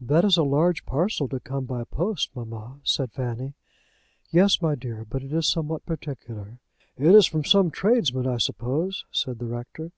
"That is a large parcel to come by post, mamma," said Fanny. "Yes, my dear; but it is something particular." "It's from some tradesman, I suppose?" said the rector.